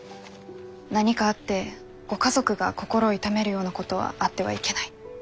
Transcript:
何かあってご家族が心を痛めるようなことはあってはいけない。